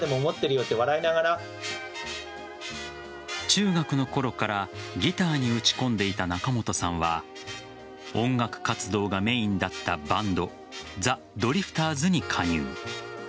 中学のころからギターに打ち込んでいた仲本さんは音楽活動がメインだったバンドザ・ドリフターズに加入。